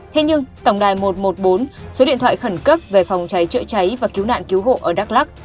thế nhưng tổng đài một trăm một mươi bốn số điện thoại khẩn cấp về phòng cháy chữa cháy và cứu nạn cứu hộ ở đắk lắc